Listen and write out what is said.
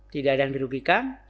tidak ada yang dirugikan